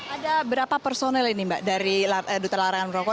ada berapa personil ini mbak dari duta larangan berloko